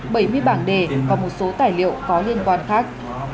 bảy mươi bảng đề và một số tài liệu có liên quan khác